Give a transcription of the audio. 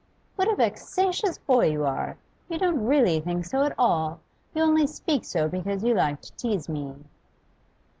'What a vexatious boy you are! You don't really think so at all. You only speak so because you like to tease me.